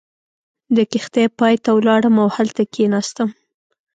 د کښتۍ پای ته ولاړم او هلته کېناستم.